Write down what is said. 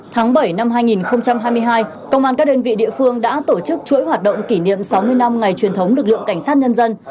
tháng bảy năm hai nghìn hai mươi hai công an các đơn vị địa phương đã tổ chức chuỗi hoạt động kỷ niệm sáu mươi năm ngày truyền thống lực lượng cảnh sát nhân dân